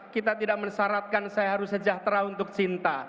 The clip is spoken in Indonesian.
kita tidak mensyaratkan saya harus sejahtera untuk cinta